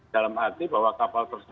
dalam arti bahwa kapal tersebut